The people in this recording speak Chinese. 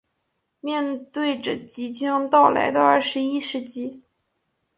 面对着即将到来的二十一世纪